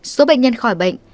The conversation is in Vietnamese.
số bệnh nhân khỏi bệnh